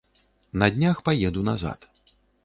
На днях паеду назад.